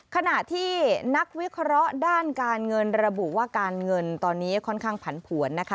ขณะที่นักวิเคราะห์ด้านการเงินระบุว่าการเงินตอนนี้ค่อนข้างผันผวนนะคะ